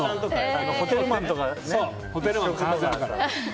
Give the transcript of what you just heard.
ホテルマンとかね。